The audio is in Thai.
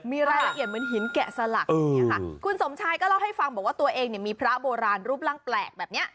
มีรายละเอียดเหมือนหินแกะสลักคุณสมชายก็เล่าให้ฟังว่าตัวเองมีพระโบราณรูปร่างแปลกแบบนี้